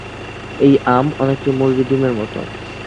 এই আম অনেকটাই মুরগির ডিমের মতো।